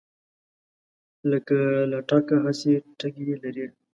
لکه لټکه هسې ټګي لري